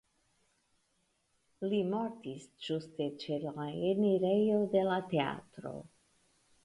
Li mortis ĝuste ĉe la enirejo de la teatro.